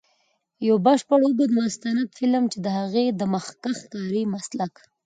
یو بشپړ اوږد مستند فلم، چې د هغې د مخکښ کاري مسلک.